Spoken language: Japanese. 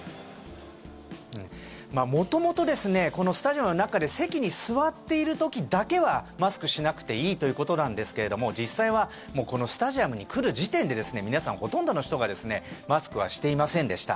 元々このスタジアムの中で席に座っている時だけはマスクしなくていいということなんですけれども実際はこのスタジアムに来る時点で皆さん、ほとんどの人がマスクはしていませんでした。